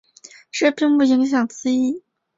这并不影响字义。